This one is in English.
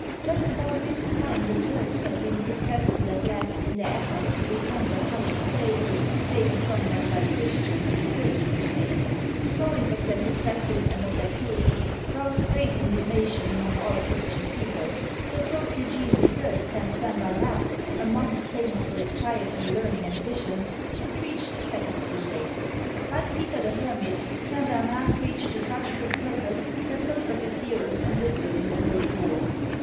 Just about this time the Turks had been successful at last in their efforts to reconquer some of the places taken from them by the Christians in the first crusade^ Stories of their successes and of their cruelty roused great indig nation among all Christian people, so Pope Eugene III. sent St. Bernard — a monk famous for his piety, learning, and visions — to preach the second crusade. ^ Like Peter the Hermit, St. Bernard preached to such good purpose that most of his hearers enlisted in the holy war.